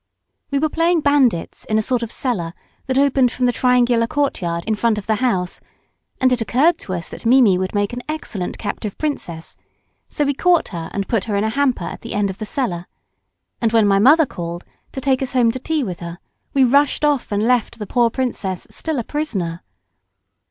We were playing bandits in a sort of cellar that opened from the triangular courtyard in front of the house and it occurred to us that Mimi would make an excellent captive princess, so we caught her and put her in a hamper at the end of the cellar, and when my mother called to take us home to tea with her we rushed off and left the poor princess still a prisoner.